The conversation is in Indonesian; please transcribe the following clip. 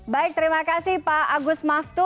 baik terima kasih pak agus maftu